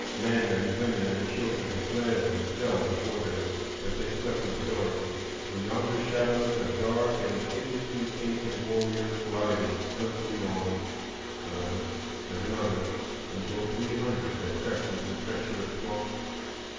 Men and women and children fled and fell before them as they swept into Dougherty. In yonder shadows a dark and hideously painted warrior glided stealthily on,—another and another, until three hundred had crept into the treacherous swamp.